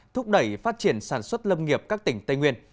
thúc đẩy phát triển sản xuất lâm nghiệp các tỉnh tây nguyên